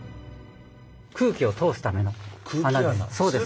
空気を通すための穴です。